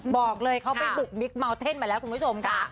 บอกเลยเขาไปบุกบิ๊กเมาเท่นมาแล้วคุณผู้ชมค่ะ